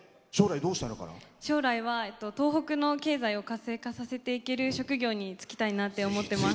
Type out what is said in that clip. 将来は東北の経済を活性化させていける職業に就きたいと思っています。